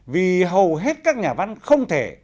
vì hầu hết các nhà văn không thể